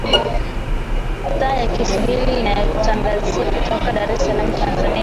dhaa ya kiswahili inayokutangazia kutoka dar es salam tanzania